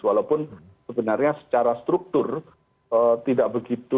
walaupun sebenarnya secara struktur tidak begitu